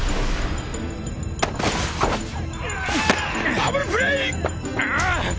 ダブルプレー！な！